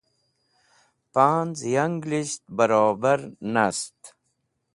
paanz̃ yanglisht brober nast